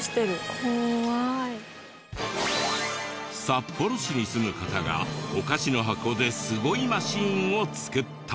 札幌市に住む方がお菓子の箱ですごいマシーンを作った。